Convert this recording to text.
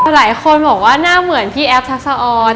หลายคนบอกว่าหน้าเหมือนพี่แอฟทักษะออน